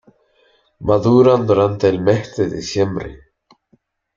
Maduran durante el mes de diciembre.